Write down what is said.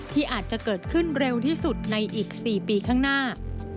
ที่อาจจะเกิดขึ้นเร็วที่สุดในอีก๔ปีข้างหน้า